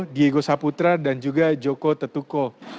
dugosaputra dan juga joko tetuko